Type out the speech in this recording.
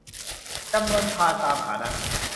จำนวนพานตามฐานะ